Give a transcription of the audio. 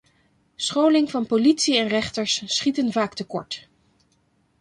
Scholing van politie en rechters schieten vaak tekort.